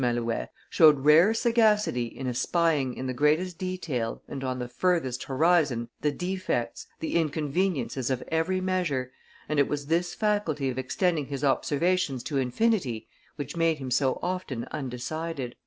Malouet, "showed rare sagacity in espying in the greatest detail and on the furthest horizon the defects, the inconveniences of every measure, and it was this faculty of extending his observations to infinity which made him so often undecided."